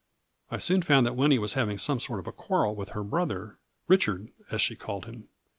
I soon found that Winnie was having some sort of a quarrel with her brother, Richard, as she called him.